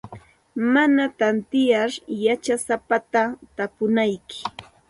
Mana tantiyar yachasapata tapunaykim.